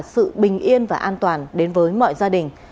sự bình yên và an toàn đến với mọi gia đình